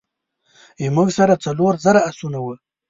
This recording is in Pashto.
زموږ سره څلور زره آسونه وه.